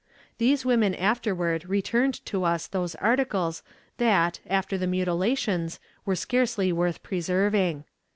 These women afterward returned to us those articles that, after the mutilations, were scarcely worth preserving.